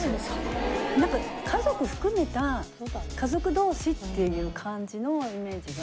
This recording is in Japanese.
なんか家族含めた家族同士っていう感じのイメージが。